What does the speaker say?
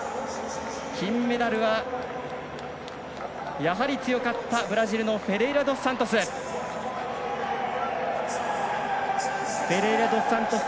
金メダルはやはり強かったブラジルのフェレイラドスサントス。